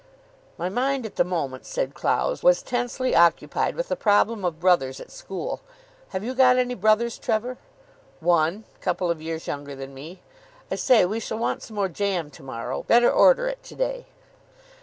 "My mind at the moment," said Clowes, "was tensely occupied with the problem of brothers at school. Have you got any brothers, Trevor?" "One. Couple of years younger than me. I say, we shall want some more jam to morrow. Better order it to day."